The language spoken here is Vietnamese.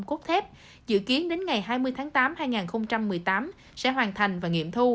cốt thép dự kiến đến ngày hai mươi tháng tám hai nghìn một mươi tám sẽ hoàn thành và nghiệm thu